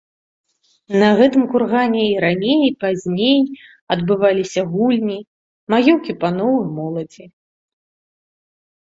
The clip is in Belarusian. На гэтым кургане і раней і пазней адбываліся гульні, маёўкі паноў і моладзі.